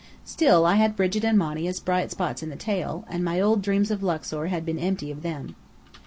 Still, I had Brigit and Monny as bright spots in the tail; and my old dreams of Luxor had been empty of them.